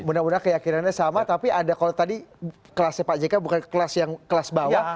mudah mudahan keyakinannya sama tapi ada kalau tadi kelasnya pak jk bukan kelas yang kelas bawah